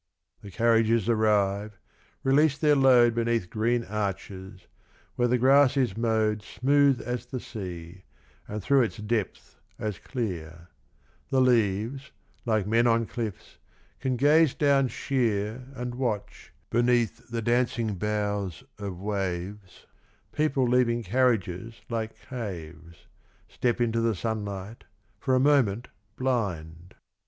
The carriages arrive, release their load Beneath green arches, where the grass is mowed Smooth as the sea, and through its depth as clear ; The leaves, like men on cliffs, can gaze down sheer And watch, beneath the dancing boughs of waves, People leaving carriages like caves. Step into the sunlight, for a moment blind.